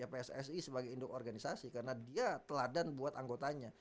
pssi sebagai induk organisasi karena dia teladan buat anggotanya